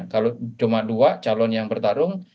kalau cuma dua calon yang bertarung